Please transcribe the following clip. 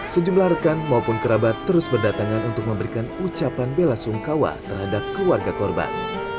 sejumlah rekan maupun kerabat terus berdatangan untuk memberikan ucapan bela sungkawa terhadap keluarga korban